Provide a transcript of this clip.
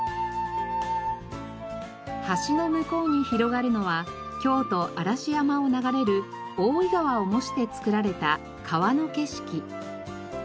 橋の向こうに広がるのは京都嵐山を流れる大堰川を模してつくられた川の景色。